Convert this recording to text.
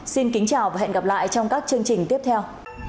xin kính chào và hẹn gặp lại trong các chương trình tiếp theo